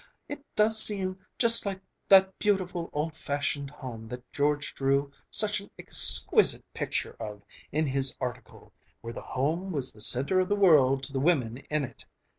It does seem just like that beautiful old fashioned home that George drew such an exquisite picture of, in his article, where the home was the center of the world to the women in it.